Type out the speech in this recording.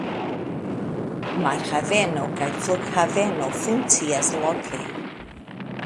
Marhaveno kaj flughaveno funkcias loke.